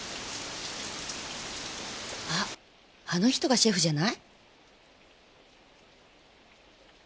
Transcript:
ああの人がシェフじゃない？